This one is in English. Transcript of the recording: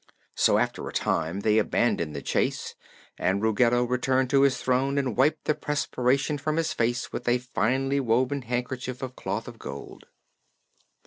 So after a time they abandoned the chase and Ruggedo returned to his throne and wiped the perspiration from his face with a finely woven handkerchief of cloth of gold.